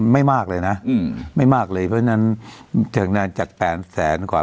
ไม่มากเลยนะไม่มากเลยเพราะฉะนั้นจาก๘๐๐๐๐๐กว่า